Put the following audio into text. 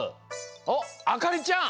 おっあかりちゃん。